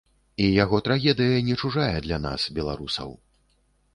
І яго трагедыя не чужая для нас, беларусаў.